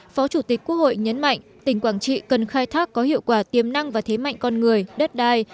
phó chủ tịch quốc hội nhấn mạnh tỉnh quảng trị cần khai thác có hiệu quả tiềm năng và thế mạnh con người đất đai